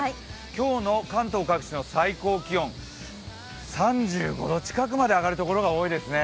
今日の関東各地の最高気温、３５度近くまで上がる所が多いですね。